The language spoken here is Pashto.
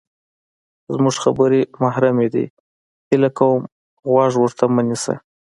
زمونږ خبرې محرمې دي، هیله کوم غوږ ورته مه نیسه!